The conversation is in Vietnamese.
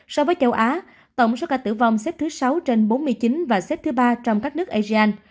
so với châu á tổng số ca tử vong xếp thứ sáu trên bốn mươi chín và xếp thứ ba trong các nước asean